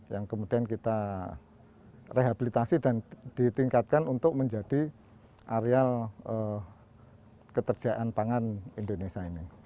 yang kemudian kita rehabilitasi dan ditingkatkan untuk menjadi areal keterjaan pangan indonesia ini